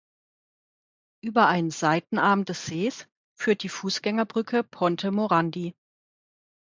Über einen Seitenarm des Sees führt die Fußgängerbrücke Ponte Morandi.